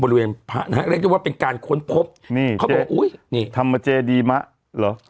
บริเวณพระนะฮะเรียกได้ว่าเป็นการค้นพบนี่เขาบอกว่าอุ้ยนี่ธรรมเจดีมะเหรอ